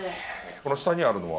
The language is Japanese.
この下にあるのは？